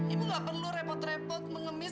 ibu nggak perlu repot repot mengemis